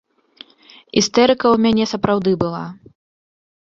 Істэрыка ў мяне сапраўды была.